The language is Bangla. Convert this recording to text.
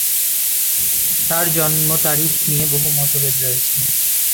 তাঁর জন্ম তারিখ নিয়ে বহু মতভেদ রয়েছে।